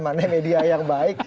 mana media yang baik